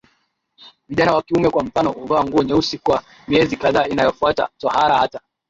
Vijana wa kiume kwa mfano huvaa nguo nyeusi kwa miezi kadhaa inayofuata tohara Hata